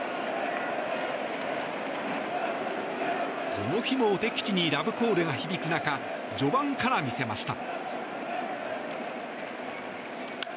この日も敵地にラブコールが響く中、序盤から見せました。